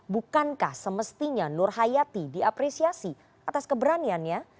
bukankah semestinya nur hayati diapresiasi atas keberaniannya